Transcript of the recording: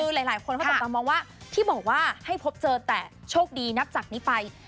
คือหลายคนเขาตกตามมองว่าที่บอกว่าให้พบเจอแต่โชคดีนับจากนี้ไป